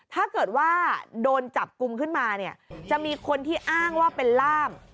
ถ้าเกิดว่าโดนจับกลุ่มขึ้นมาเนี่ยจะมีคนที่อ้างว่าเป็นล่าม